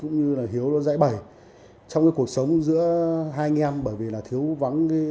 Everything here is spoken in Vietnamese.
cũng như là hiếu nó dãy bầy trong cái cuộc sống giữa hai anh em bởi vì là thiếu vắng cái sự dạy dỗ của cha